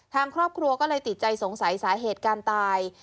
ทางครอบครัวก็เลยติดใจสงสัยสาเหตุการตาย